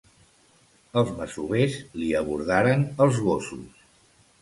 Els masovers li abordaren els gossos.